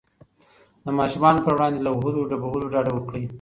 د ماشومانو پر وړاندې له وهلو ډبولو ډډه وکړئ.